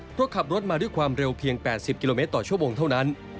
เพราะขับรถมาด้วยความเร็วเพียง๘๐กิโลเมตรต่อชั่วโมงเท่านั้น